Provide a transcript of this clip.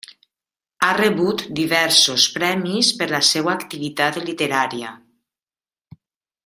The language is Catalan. Ha rebut diversos premis per la seua activitat literària.